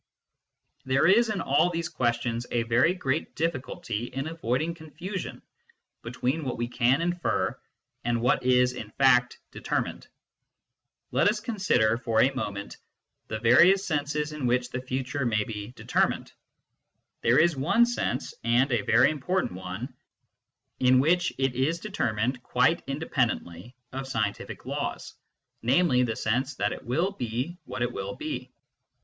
There is, in all these questions, a very great difficulty in avoiding confusion between what we can infer and what is in fact determined. Let us consider, for a moment, the various senses in which the future may be " determined." There is one sense and a very important 202 MYSTICISM AND LOGIC one in which it is determined quite independently of scientific laws, namely, the sense that it will be what it will be.